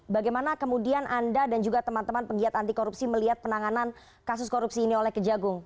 bagaimana kemudian anda dan juga teman teman penggiat anti korupsi melihat penanganan kasus korupsi ini oleh kejagung